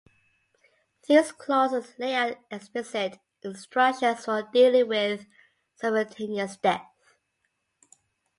These clauses lay out explicit instructions for dealing with simultaneous death.